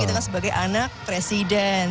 kita kan sebagai anak presiden